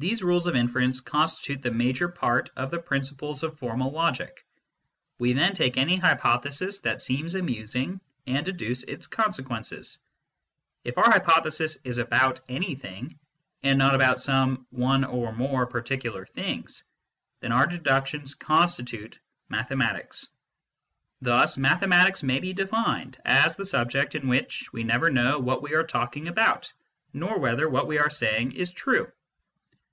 These rules of inference constitute the major part of the principles of formal logic. We then take any hypothesis that seems amusing, and deduce its consequences, //our hypothesis is about anything, and not about some oneormore particular things, then our deductions constitute mathematics. Thus mathematics may be defined as the subject in which we never know what we are talking about, nor whether what we are saying is true.